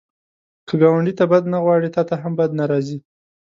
که ګاونډي ته بد نه غواړې، تا ته هم بد نه راځي